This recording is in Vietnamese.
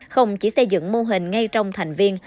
không chỉ xây dựng mô hình ngay trong thành viên